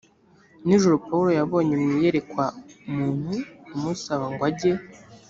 nijoro pawulo yabonye mu iyerekwa umuntu umusaba ngo ajye